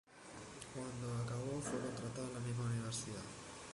Cuando acabó, fue contratado en la misma Universidad.